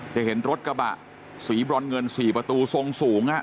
จะเห็นรถกระบะสีบรอนเงิน๔ประตูทรงสูง